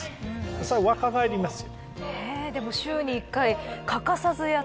それは若返りますよ。